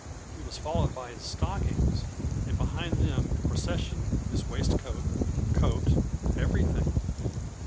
It was followed by his stockings, and behind them in procession his waistcoat, coat everything!